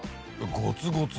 ゴツゴツ。